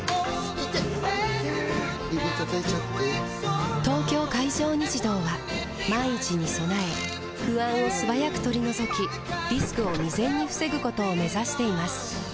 指たたいちゃって・・・「東京海上日動」は万一に備え不安を素早く取り除きリスクを未然に防ぐことを目指しています